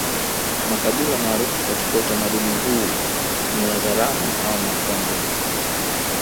Makabila maarufu katika utamaduni huu ni Wazaramo na Wamakonde